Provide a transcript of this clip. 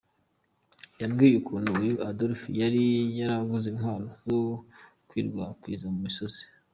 Yambwiye ukuntu uyu Adolphe yari yaraguze intwaro zo gukwirakwiza mu misozi.